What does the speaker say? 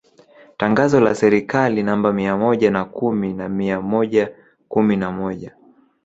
Tangazo la Serikali namba mia moja na kumi na mia moja kumi na moja